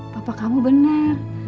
papa kamu bener